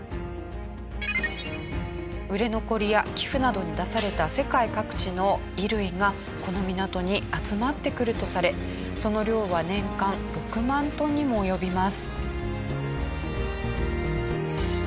売れ残りや寄付などに出された世界各地の衣類がこの港に集まってくるとされその量は年間６万トンにも及びます。